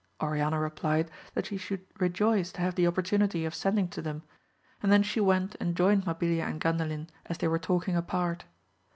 Oriana replied that she should rejoice to have the opportunity of sending to them, and, then she went and joined Mabilia and GandaHn as they were talking apart.